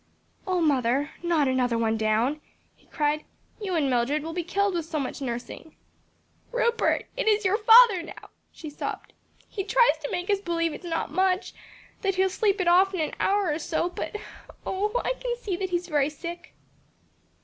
"O mother, not another one down?" he cried, "You and Mildred will be killed with so much nursing." "Rupert, it is your father now," she sobbed. "He tries to makes us believe it is not much; that he'll sleep it off in an hour or so, but oh, I can see that he's very sick."